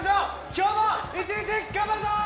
今日も一日頑張るぞー！